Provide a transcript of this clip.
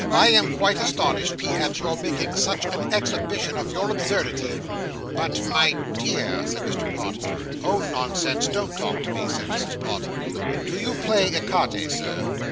I am quite astonished, P., at your making such an exhibition of your absurdity.' 'But, my dear ' said Mr. Pott. 'Oh, nonsense, don't talk to me,' said Mrs. Pott. 'Do you play ecarte, Sir?